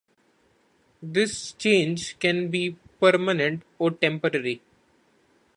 This change can be permanent or temporary.